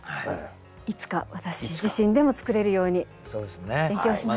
いつか私自身でも作れるように勉強します。